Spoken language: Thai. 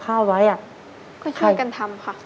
ก็ช่วยกันทำค่ะ